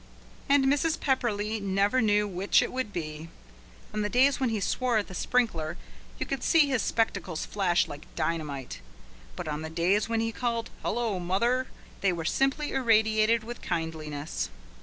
And Mrs. Pepperleigh never knew which it would be. On the days when he swore at the sprinkler you could see his spectacles flash like dynamite. But on the days when he called: "Hullo, mother," they were simply irradiated with kindliness.